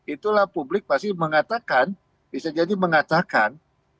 itulah publik pasti mengatakan bisa jadi mengatakan